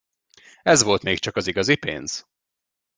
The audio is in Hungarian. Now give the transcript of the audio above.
Ez volt még csak az igazi pénz!